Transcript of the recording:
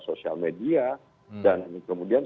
sosial media dan kemudian